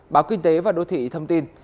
báo kinh tế và đô thị thông tin